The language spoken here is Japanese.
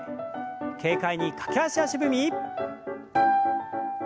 軽快に駆け足足踏み。